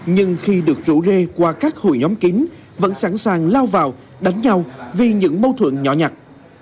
nhưng khi được rủ rê qua các hội nhóm kính vẫn sẵn sàng lao vào đánh nhau vì những mâu thuẫn nhỏ nhặt